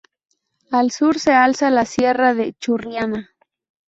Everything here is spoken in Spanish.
Al sur se alza la sierra de Churriana.